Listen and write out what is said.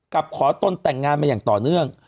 ขอตนแต่งงานมาอย่างต่อเนื่อง